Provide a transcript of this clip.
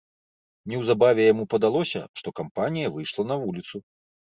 Неўзабаве яму падалося, што кампанія выйшла на вуліцу.